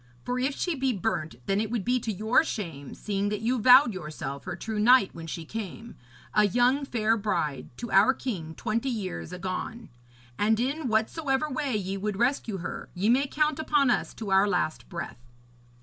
For if she be burnt, then it would be to your shame, seeing that you vowed yourself her true knight when she came, a young fair bride, to our king, twenty years agone. And in whatsoever way ye would rescue her, ye may count upon us to our last breath.'